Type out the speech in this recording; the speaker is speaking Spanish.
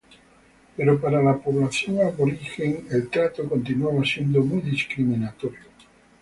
Pero para la población aborigen el trato continuaba siendo muy discriminatorio.